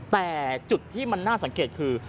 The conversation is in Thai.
แต่จุดที่มันน่าสังเกตคือ